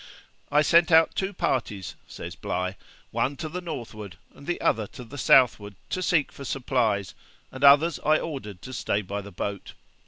'I sent out two parties (says Bligh), one to the northward and the other to the southward, to seek for supplies, and others I ordered to stay by the boat.